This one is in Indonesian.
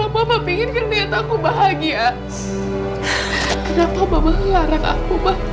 kalau mama inginkan lihat aku bahagia kenapa mama melarang aku ma